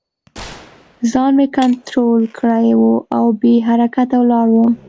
ځان مې کنترول کړی و او بې حرکته ولاړ وم